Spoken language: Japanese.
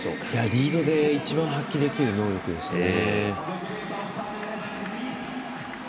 リードで一番、発揮できる能力ですね。